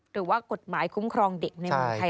หรือว่ากฎหมายคุ้มครองเด็กในเมืองไทย